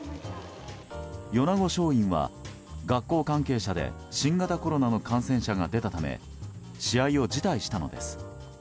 米子松蔭は学校関係者で新型コロナの感染者が出たため試合を辞退したのです。